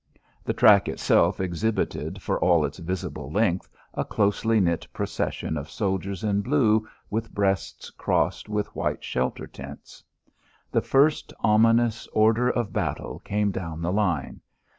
The track itself exhibited for all its visible length a closely knit procession of soldiers in blue with breasts crossed with white shelter tents. The first ominous order of battle came down the line.